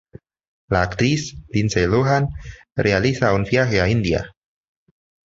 La actriz Lindsay Lohan realiza un viaje a India.